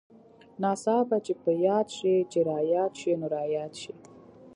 ناڅاپه چې په ياد شې چې راياد شې نو راياد شې.